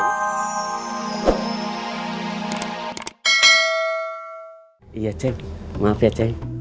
iya ceng maaf ya ceng